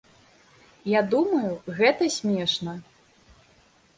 Я думаю, гэта смешна.